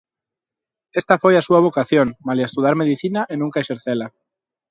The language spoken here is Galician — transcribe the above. Esta foi a súa vocación malia estudar Medicina e nunca exercela.